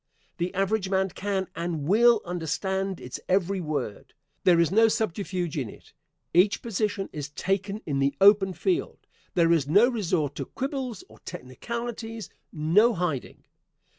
The average man can and will understand its every word. There is no subterfuge in it. Each position is taken in the open field. There is no resort to quibbles or technicalities no hiding.